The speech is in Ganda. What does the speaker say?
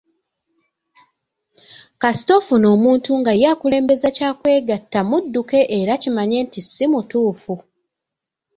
Kasita ofuna omuntu nga ye akulembeza kya kwegatta mudduke era kimanye nti si mutuufu.